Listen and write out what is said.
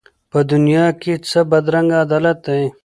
په دنیا کي څه بدرنګه عدالت دی